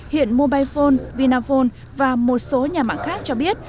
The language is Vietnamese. hiện mobile phone vinaphone và một số nhà mạng khác cho biết